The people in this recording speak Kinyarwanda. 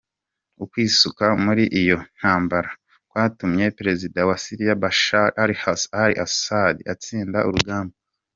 Ukwisuka muri iyo ntambara kwatumye prezida wa Syria Bashar al-Assad atsinda urugamba.